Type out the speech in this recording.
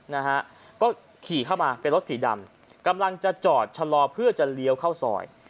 นะฮะก็ขี่เข้ามาเป็นรถสีดำกำลังจะจอดชะลอเพื่อจะเลี้ยวเข้าซอย